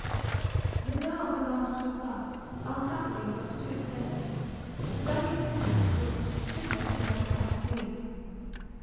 The girl belonged to a class unhappily but too extensive the very existence of which should make men's hearts bleed.